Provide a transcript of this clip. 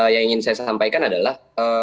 yang ingin saya sampaikan adalah